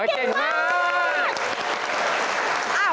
เก่งมาก